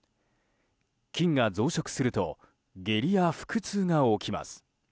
菌が増殖すると下痢や腹痛が起きます。